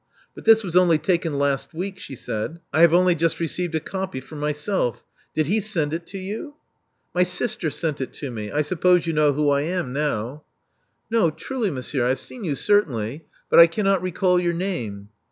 But this was only taken last week," she said. I have only just received a copy for myself. Did he send it to you?" My sister sent it to me. I suppose you know who I am now." 352 Love Among the Artists "No, truly, monsienr. I have seen you certainly; but I cannot recall your name."